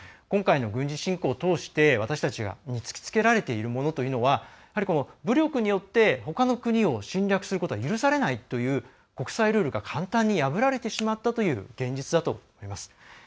今回の軍事侵攻通して私たちに突きつけられているものというのは武力によってほかの国を侵略することは許されないという国際ルールが簡単に破られてしまった現実だと思います。